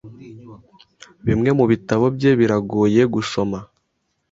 Bimwe mubitabo bye biragoye gusoma.